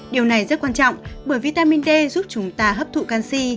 điều này rất quan trọng bởi vitamin d giúp chúng ta hấp thụ canxi